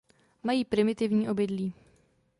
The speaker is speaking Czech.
Mají primitivní obydlí.